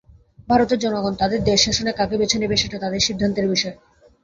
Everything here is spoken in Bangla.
ভারতের জনগণ তাদের দেশ শাসনে কাকে বেছে নেবে, সেটা তাদের সিদ্ধান্তের বিষয়।